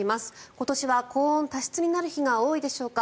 今年は高温多湿になる日が多いでしょうか？